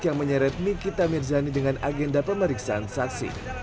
yang menyeret nikita mirzani dengan agenda pemeriksaan saksi